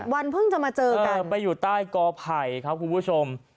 วันเพิ่งจะมาเจอกันไปอยู่ใต้กอไผ่ครับคุณผู้ชม